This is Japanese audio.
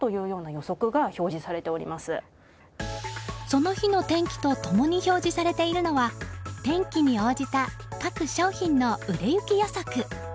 その日の天気と共に表示されているのは天気に応じた各商品の売れ行き予測。